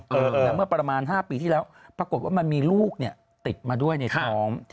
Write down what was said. แต่เมื่อประมาณ๕ปีที่แล้วปรากฏว่ามันมีลูกเนี่ยติดมาด้วยในท้อง